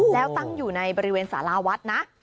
แล้วตั้งอยู่ในบริเวณสาราวัดนะ